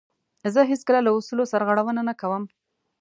زه هیڅکله له اصولو سرغړونه نه کوم.